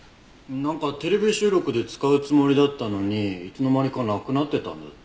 なんかテレビ収録で使うつもりだったのにいつの間にかなくなってたんだって。